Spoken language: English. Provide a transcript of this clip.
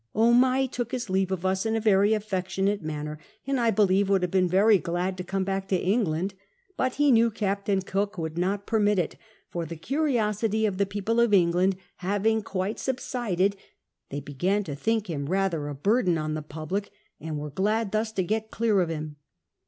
Omai took his leave of us in a very aticctionate manner, and I believe would have been very glad to come back to England ; but he knew Ca])tain Cook would not permit him; for the curiosity of the ]icoplc of England having quite subsided, they began to think him mther a buitlen on the public, and were glad thus to get clear of him.